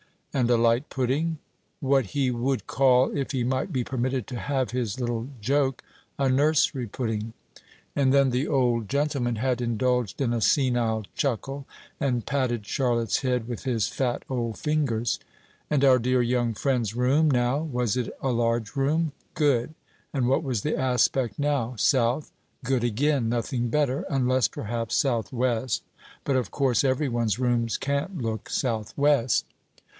And a light pudding? what he would call if he might be permitted to have his little joke a nursery pudding." And then the old gentleman had indulged in a senile chuckle, and patted Charlotte's head with his fat old fingers. "And our dear young friend's room, now, was it a large room? good! and what was the aspect now, south? good again! nothing better, unless, perhaps, south west; but, of course, everyone's rooms can't look south west.